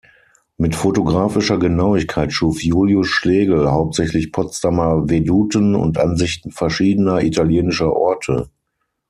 Mit fotografischer Genauigkeit schuf Julius Schlegel hauptsächlich Potsdamer Veduten und Ansichten verschiedener italienischer Orte.